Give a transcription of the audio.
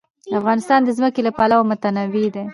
افغانستان د ځمکه له پلوه متنوع دی.